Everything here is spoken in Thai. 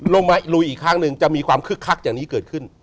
ลงมาลุยอีกครั้งหนึ่งจะมีความคึกคักอย่างนี้เกิดขึ้น